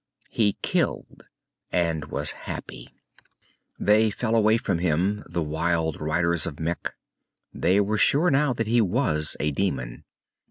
He killed, and was happy. They fell away from him, the wild riders of Mekh. They were sure now that he was a demon.